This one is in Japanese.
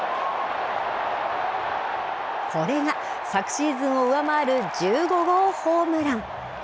これが昨シーズンを上回る１５号ホームラン。